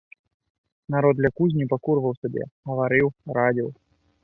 Народ ля кузні пакурваў сабе, гаварыў, радзіў.